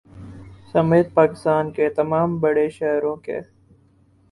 سمیت پاکستان کے تمام بڑے شہروں کے